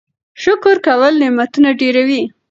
شکر کول نعمتونه ډېروي.